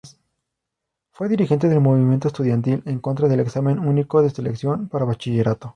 Fue dirigente del movimiento estudiantil en contra del examen único de selección para bachillerato.